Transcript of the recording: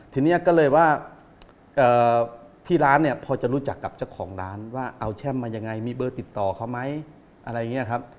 ทีนี้ก็เลยว่าที่ร้านเนี่ยพอจะรู้จักกับเจ้าของร้านว่าเอาแช่มมายังไงมีเบอร์ติดต่อเขาไหมอะไรอย่างนี้ครับ